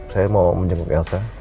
saya mau menyembuh elsa